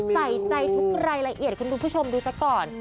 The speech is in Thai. ใส่ใจทุกรายละเอียดคุณผู้ชมดูซะก่อน